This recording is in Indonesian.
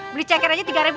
beli ceker aja tiga ribu